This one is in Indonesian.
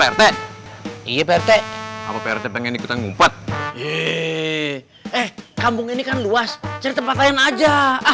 irgendwie che che che pendek dengan kita mumpet aku kambung ini kan luas catak jalan aja